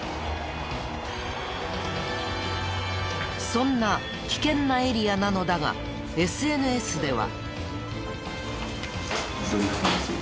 そんな危険なエリアなのだがＳＮＳでは。